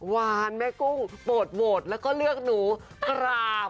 วานแม่กุ้งโปรดโหวตแล้วก็เลือกหนูกราบ